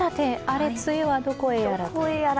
あれ、梅雨はどこへやらと。